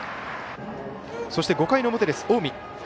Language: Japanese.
そして５回の表、近江。